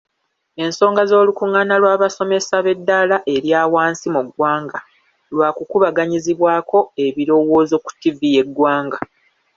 Ensonga z'olukungaana lw'abasomesa b'eddaala erya wansi mu ggwanga lwakubaganyiziddwako ebirowoozo ku ttivi y'eggwanga.